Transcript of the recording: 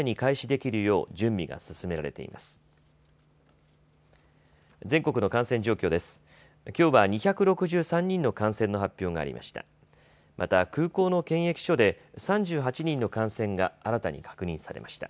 きょうは２６３人の感染の発表がありました。